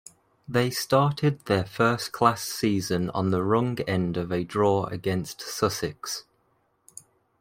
They started their first-class season on the wrong end of a draw against Sussex.